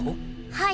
はい。